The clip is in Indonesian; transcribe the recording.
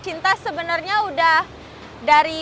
cinta sebenarnya udah dari